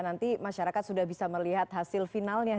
nanti masyarakat sudah bisa melihat hasil finalnya